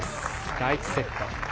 第１セット。